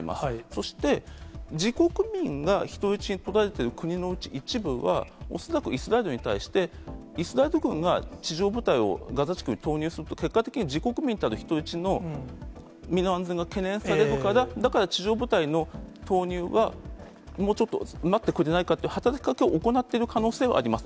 そして、自国民が人質に取られている国のうち、一部は、おそらくイスラエルに対してイスラエル軍が地上部隊をガザ地区に投入すると、結果的に自国民の人質の身の安全が懸念されるから、だから地上部隊の投入は、もうちょっと待ってくれないかって、働きかけを行っている可能性はあります。